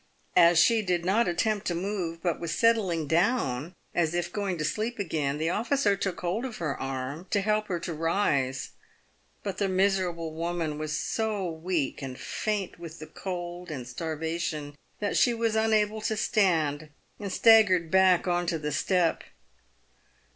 As she did not attempt to move, but was settling down as if going to sleep again, the officer took hold of her arm to help her to rise ; but the miserable woman was so weak and faint with the cold and starvation, that she was unable to stand, and staggered back on to the step.